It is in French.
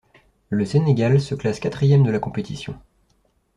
Le Sénégal se classe quatrième de la compétition.